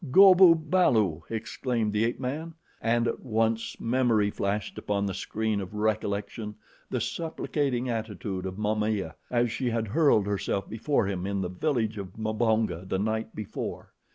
"Go bu balu!" exclaimed the ape man, and at once memory flashed upon the screen of recollection the supplicating attitude of Momaya as she had hurled herself before him in the village of Mbonga the night before.